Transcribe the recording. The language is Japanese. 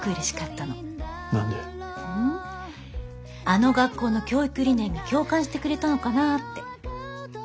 あの学校の教育理念に共感してくれたのかなって。